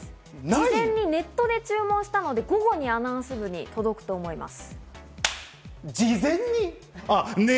事前にネットで注文したので、午後にアナウンス部に届くと思います。